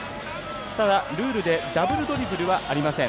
ルールでダブルドリブルはありません。